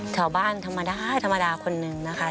ชาวบ้านธมมิด้าธมมิดาคนนึงนะคะ